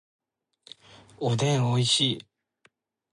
おでんおいしい